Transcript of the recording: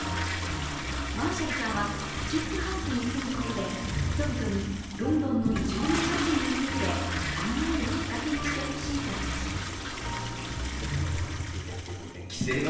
マーシャルさんは、スキップハウスに住むことで人々にロンドンの異常な家賃について考えるきっかけにしてほしいと話します。